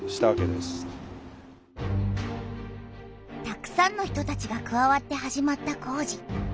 たくさんの人たちがくわわって始まった工事。